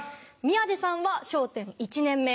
宮治さんは『笑点』１年目。